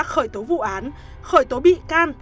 khởi tố vụ án khởi tố bị can